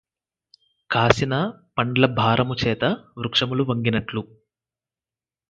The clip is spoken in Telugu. కాసిన పండ్లభారము చేత వృక్షములు వంగినట్లు